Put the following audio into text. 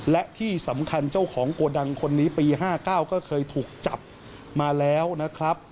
และที่สำคัญเจ้าของโกดังคนนี้ปี๕๙ก็เคยถูกจับมาแล้วนะครับ